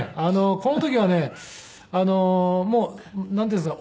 この時はねもうなんていうんですか。